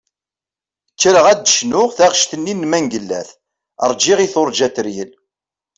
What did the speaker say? Kkreɣ ad d-cnuɣ taɣect-nni n Mengellat "Rğiɣ i turğa teryel".